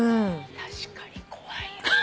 確かに怖いよね。